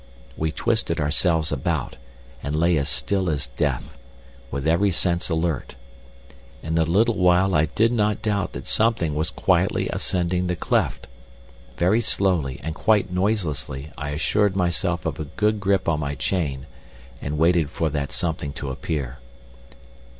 We twisted ourselves about, and lay as still as death, with every sense alert. In a little while I did not doubt that something was quietly ascending the cleft. Very slowly and quite noiselessly I assured myself of a good grip on my chain, and waited for that something to appear.